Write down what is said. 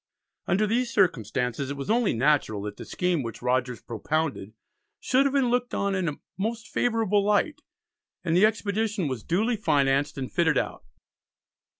Under these circumstances it was only natural that the scheme which Rogers propounded should have been looked on in a most favourable light, and the expedition was duly financed and fitted out.